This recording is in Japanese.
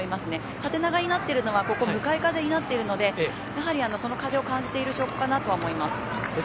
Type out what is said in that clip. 縦長になってるのはここ、向かい風になってるのでやはりその風を感じている証拠かなと思います。